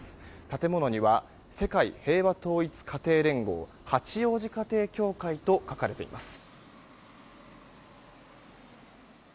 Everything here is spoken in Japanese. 建物には世界平和統一家庭連合八王子家庭教会と書かれています。